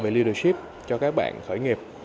về leadership cho các bạn khởi nghiệp